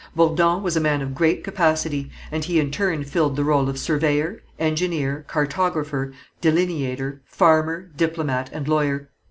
Bourdon was a man of great capacity, and he in turn filled the rôle of surveyor, engineer, cartographer, delineator, farmer, diplomat and lawyer.